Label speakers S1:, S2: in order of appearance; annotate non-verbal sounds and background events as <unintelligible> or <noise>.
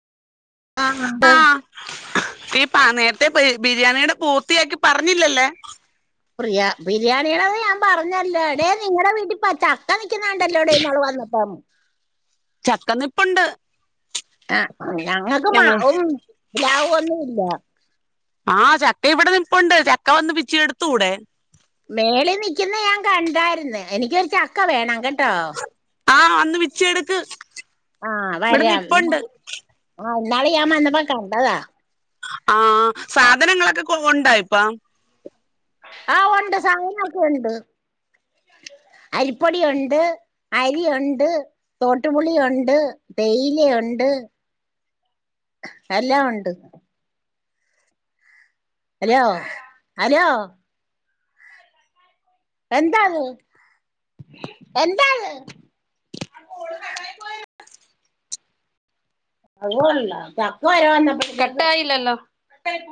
S1: ആ ഉണ്ട്
S2: ആഹ് ഈ പ നേരത്തെ ബിരിയാണിയുടെ പൂർത്തിയാക്കി പറഞ്ഞില്ലല്ലോ
S1: പ്രിയ ബിരിയാണിയടത് ഞാൻ പറഞ്ഞല്ലോ എടേ നിങ്ങളടെ വീട്ടിൽ പച്ച കാണിക്കുന്നുണ്ടല്ലോടെ എന്നാള് വന്നപ്പം
S2: ചക്കനിപ്പുണ്ട്
S1: ആ <unintelligible> ലാവൊന്നുല്ല
S2: ആഹ് ചക്ക ഇവിടെ നിപ്പുണ്ട് ചക്ക വന്ന് പിച്ചിഇടുത്തൂടെ
S1: മേളിൽ നിക്കുന്ന ഞാൻ കണ്ടായ്ര്ന്ന് എനിക്കൊരു ചക്ക വേണം കെട്ടോ
S2: ആ വന്ന് പിച്ചി എട്ക്ക്
S1: ആഹ്
S2: ഇവിട നിപ്പുണ്ട്
S1: ന്നാള് ഞാൻ വന്നപ്പോ കണ്ടതാ
S2: ആഹ് സാധനങ്ങളൊക്കെ ക കൊണ്ട പ്പ
S1: ആഹ് ഉണ്ട് സാധനൊക്കെ ഉണ്ട് അരിപ്പൊടിയുണ്ട് അരിയുണ്ട് തോട്ടുപുളിയുണ്ട് തേയിലയൊണ്ട് എല്ലാം ഉണ്ട് ഹലോ ഹലോ എന്താണ് എന്താണ് <unintelligible> കട്ട് ആയില്ലല്ലോ